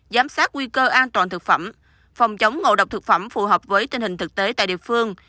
giám sát nguy cơ an toàn thực phẩm phòng chống ngộ độc thực phẩm phù hợp với tình hình thực tế tại địa phương